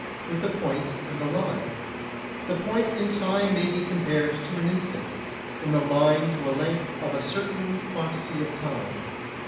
with the point and the line; the point in time may be compared to an instant, and the line to the length of a certain quantity of time.